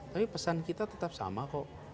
tapi pesan kita tetap sama kok